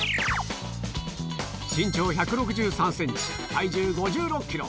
身長１６３センチ、体重５６キロ。